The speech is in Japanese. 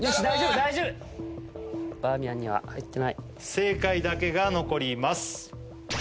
大丈夫バーミヤンには入ってない正解だけが残ります